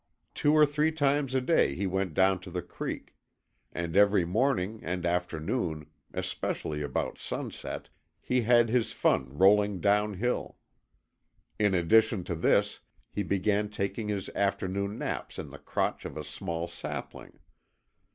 Two or three times a day he went down to the creek; and every morning and afternoon especially about sunset he had his fun rolling downhill. In addition to this he began taking his afternoon naps in the crotch of a small sapling.